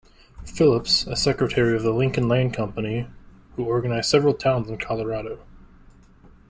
Phillips, a secretary of the Lincoln Land Company, who organized several towns in Colorado.